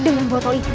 dengan botol itu